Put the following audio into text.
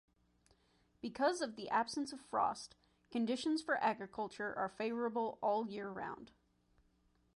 Because of the absence of frost, conditions for agriculture are favourable all year round.